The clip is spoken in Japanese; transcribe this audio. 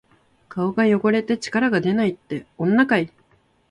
顔が汚れて力がでないって、女かい！